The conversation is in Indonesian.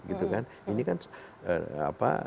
ini kan apa